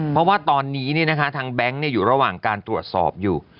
เพราะว่าตอนนี้เนี่ยนะคะทางแบงค์เนี่ยอยู่ระหว่างการตรวจสอบอยู่